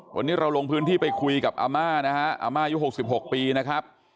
วันนี้เราลงพื้นที่ไปคุยกับอาม่านะฮะอาม่ายุค๖๖ปีนะครับ